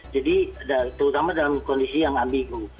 jadi terutama dalam kondisi yang ambigu